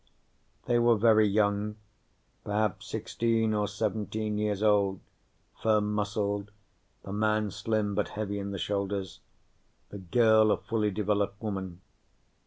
They were very young, perhaps sixteen or seventeen years old, firm muscled, the man slim but heavy in the shoulders, the girl a fully developed woman.